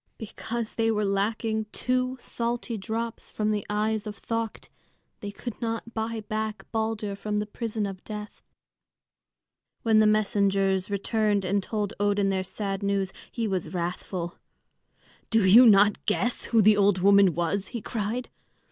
Because there were lacking two salty drops from the eyes of Thökt, they could not buy back Balder from the prison of death. When the messengers returned and told Odin their sad news, he was wrathful. "Do you not guess who the old woman was?" he cried.